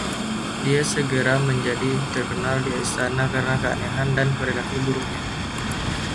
Dia segera menjadi terkenal di istana karena keanehan dan perilaku buruknya.